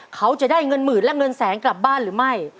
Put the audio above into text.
เขาจะได้เงินหมื่นและเงินแสนกลับบ้านหรือไม่